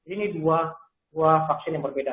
ini dua vaksin yang berbeda